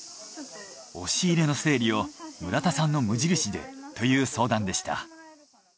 押し入れの整理を村田さんの無印でという相談でした。